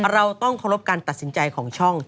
เราต้องเคารพการตัดสินใจของช่อง